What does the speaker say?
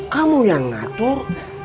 kamu yang ngatur